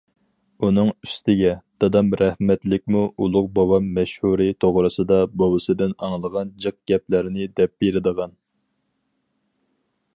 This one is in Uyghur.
ئۇنىڭ ئۈستىگە، دادام رەھمەتلىكمۇ ئۇلۇغ بوۋام مەشھۇرى توغرىسىدا بوۋىسىدىن ئاڭلىغان جىق گەپلەرنى دەپ بېرىدىغان.